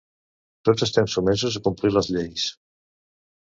Tots estem sotmesos a complir les lleis.